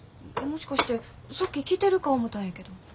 もしかして先来てるか思たんやけど。